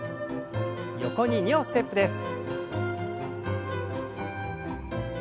横に２歩ステップです。